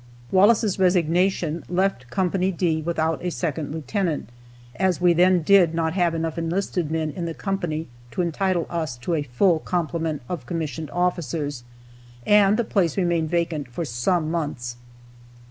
Wallace's resignation left Co. D without a second lieutenant, as we then did not have enough enlisted men in the company to entitle us to a full complement of commissioned officers, and the place remained vacant for some months.